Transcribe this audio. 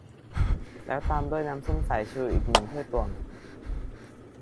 แล้วตามด้วยน้ำส้มสายชูอีกหนึ่งถ้วยตวง